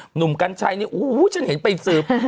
หนุ่มกัญชัยนี่โอ้โหฉันเห็นไปสืบ